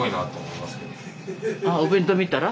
ああお弁当見たら？